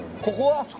ここは？